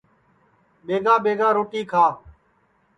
ٻیگا ٻیگا روٹی کھا